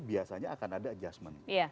biasanya akan ada adjustment